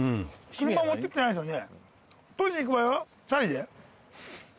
車持ってきてないですよね